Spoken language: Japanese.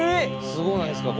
すごないですか？